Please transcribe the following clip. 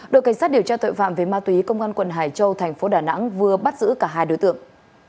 đội cảnh sát điều tra tội phạm về ma túy công an quận hải châu thành phố đà nẵng vừa bắt giữ cả hai đối tượng